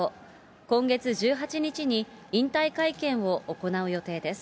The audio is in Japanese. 今月１８日に引退会見を行う予定です。